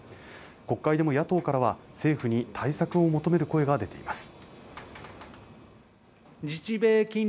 国会でも野党からは政府に対策を求める声が出ています